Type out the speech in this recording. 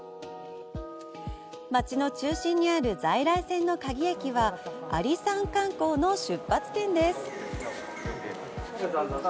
街の中心にある在来線の嘉義駅は、阿里山観光の出発点です。